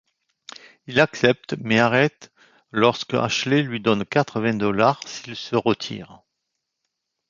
Il accepte, mais arrête lorsque Ashley lui donne quatre-vingts dollars s'il se retire.